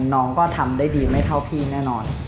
น้องก็ทำได้ดีไม่เท่าพี่แน่นอน